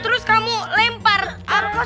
terus kamu lempar arung kasur